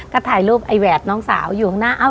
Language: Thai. ก็ถ่ายรูปไอ้แหวดน้องสาวอยู่ข้างหน้า